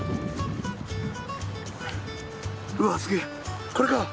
うわすげえこれか。